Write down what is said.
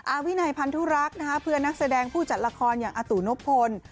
วินัยพันธุรักษ์เพื่อนนักแสดงผู้จัดละครอย่างอาตู่นพพล